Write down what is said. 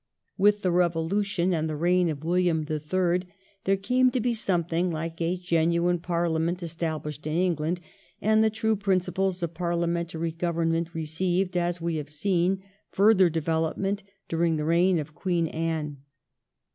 With the Eevolution and the reign of William the Third there came to be something like a genuine Parliament established in England, and the true principles of parliamentary government received, as we have seen, further development during the reign of Queen Anne.